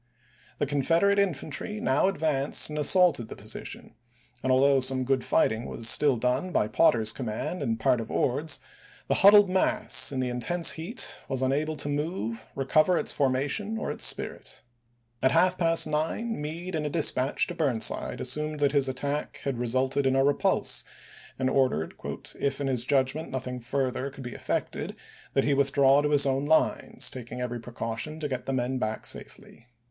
The Confederate infantry now advanced and as saulted the position, and although some good fight ing was still done by Potter's command and part of Ord's, the huddled mass, in the intense heat, was unable to move, recover its formation, or its spirit. July 30,1864. At half past nine Meade in a dispatch to Burnside assumed that his attack had resulted in a repulse, and ordered " if, in his judgment, nothing further could be effected that he withdraw to his own lines, taking every precaution to get the men back safely."